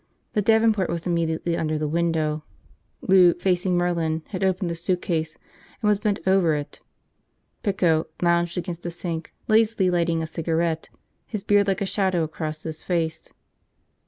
The davenport was immediately under the window. Lou, facing Merlin, had opened the suitcase and was bent over it. Pico lounged against the sink, lazily lighting a cigarette, his beard like a shadow across his face.